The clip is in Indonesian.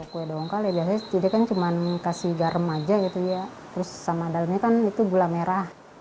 kue dongkal biasanya diberikan dengan garam dan gula merah